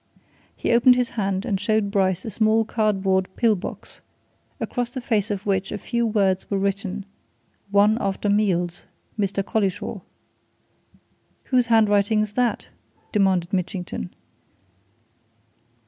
He opened his hand and showed Bryce a small cardboard pill box, across the face of which a few words were written One after meals Mr. Collishaw. "Whose handwriting's that?" demanded Mitchington.